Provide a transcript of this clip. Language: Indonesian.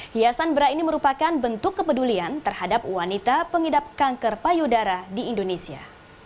hiasan bra ini merupakan bentuk kepedulian terhadap wanita pengidap kanker payudara di indonesia